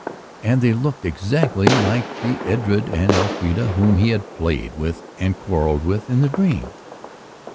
And they looked exactly like the Edred and Elfrida whom he had played with and quarrelled with in the dream.